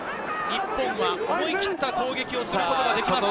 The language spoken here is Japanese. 日本は思い切った攻撃をすることができます。